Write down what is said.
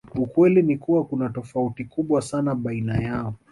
Ukweli ni kuwa kuna tofauti kubwa sana baina yao